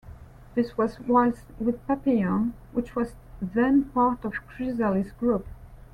This was whilst with Papillon which was then part of Chrysalis Group.